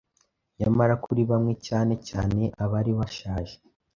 Nyamara kuri bamwe cyane cyane abari bashaje